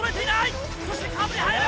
そしてカーブに入る！